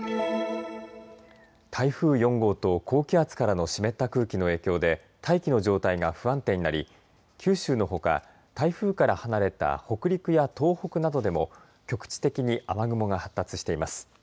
台風４号と高気圧からの湿った空気の影響で大気の状態が不安定になり九州のほか台風から離れた北陸や東北などでも局地的に雨雲が発達しています。